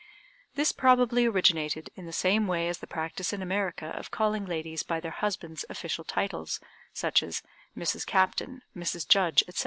This probably originated in the same way as the practice in America of calling ladies by their husbands' official titles, such as Mrs. Captain, Mrs. Judge, etc.